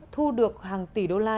thu được hàng tỷ đô la